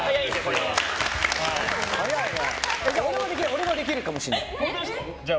俺もできるかもしれない。